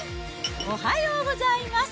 おはようございます。